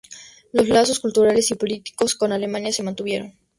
Los lazos culturales y políticos con Alemania se mantuvieron.